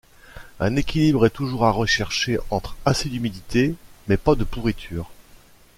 Un équilibre est toujours à rechercher entre assez d'humidité, mais pas de pourriture.